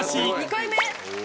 ２回目！